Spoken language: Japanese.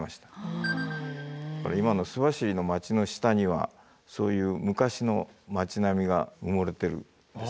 今の須走の町の下にはそういう昔の町並みが埋もれてるんです。